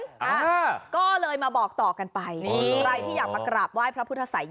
ค่ะก็เลยมาบอกต่อกันไปใครที่อยากมากราบไหว้พระพุทธศัยยาศก็มากันได้